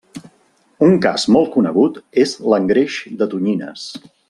Un cas molt conegut és l'engreix de tonyines.